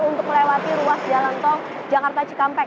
untuk melewati ruas jalan tol jakarta cikampek